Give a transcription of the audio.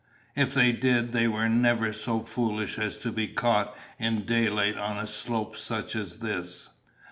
If they did, they were never so foolish as to be caught in daylight on a slope such as this."